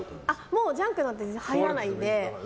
もうジャンクなので全然入らないので。